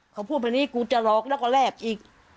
เขาพูดแบบนี้กูจะหลอกแล้วก็แลกอีก